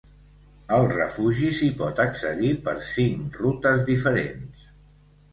Al refugi s'hi pot accedir per cinc rutes diferents.